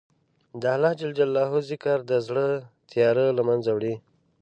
د الله ذکر د زړه تیاره له منځه وړي.